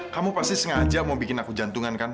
kamu pasti sengaja mau bikin aku jantungan kan